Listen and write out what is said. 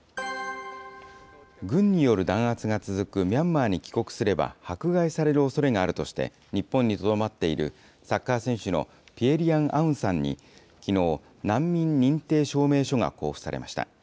軍による弾圧が続くミャンマーに帰国すれば迫害されるおそれがあるとして、日本にとどまっているサッカー選手のピエ・リアン・アウンさんに、きのう、難民認定証明書が交付されました。